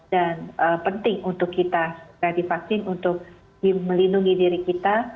dan penting untuk kita divaksin untuk melindungi diri kita